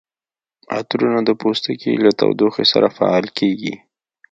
عطرونه د پوستکي له تودوخې سره فعال کیږي.